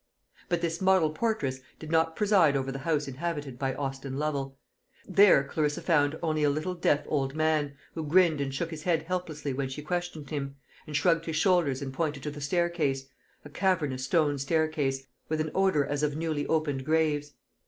But this model portress did not preside over the house inhabited by Austin Lovel. There Clarissa found only a little deaf old man, who grinned and shook his head helplessly when she questioned him, and shrugged his shoulders and pointed to the staircase a cavernous stone staircase, with an odour as of newly opened graves.